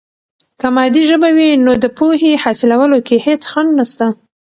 که مادي ژبه وي، نو د پوهې حاصلولو کې هیڅ خنډ نسته.